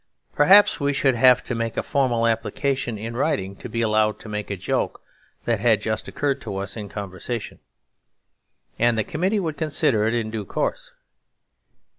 Perhaps we should have to make a formal application in writing, to be allowed to make a joke that had just occurred to us in conversation. And the committee would consider it in due course.